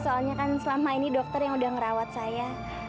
soalnya kan selama ini dokter yang udah ngerawat saya